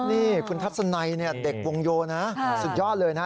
นี่คุณทัศนัยเด็กวงโยนะสุดยอดเลยนะ